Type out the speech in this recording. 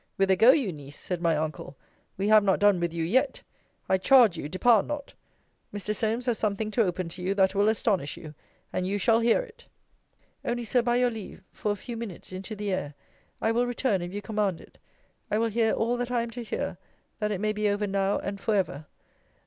Whither go you, Niece? said my uncle: we have not done with you yet. I charge you depart not. Mr. Solmes has something to open to you, that will astonish you and you shall hear it. Only, Sir, by your leave, for a few minutes into the air. I will return, if you command it. I will hear all that I am to hear; that it may be over now and for ever.